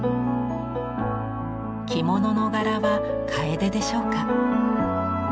着物の柄は楓でしょうか。